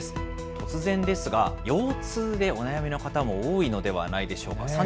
突然ですが、腰痛でお悩みの方も多いのではないでしょうか。